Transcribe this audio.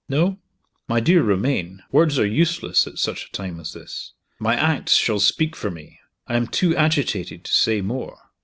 No? My dear Romayne, words are useless at such a time as this. My acts shall speak for me. I am too agitated to say more.